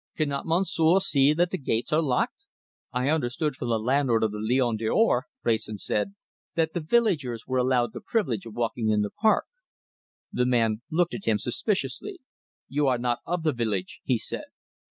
"Cannot monsieur see that the gates are locked?" "I understood from the landlord of the Lion d'Or" Wrayson said, "that the villagers were allowed the privilege of walking in the park." The man looked at him suspiciously. "You are not of the village," he said.